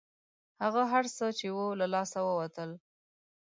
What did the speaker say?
هغه هر څه چې وو له لاسه ووتل.